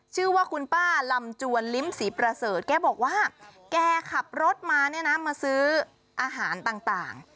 ชื่อว่าคุณป้าลำจวนลิ้มศรีประเสริฐแกบอกว่าแกขับรถมาเนี่ยนะมาซื้ออาหารต่าง